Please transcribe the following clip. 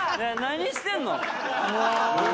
何してんのよ。